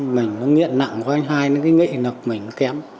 mình nghiện nặng của anh hai cái nghệ lực mình kém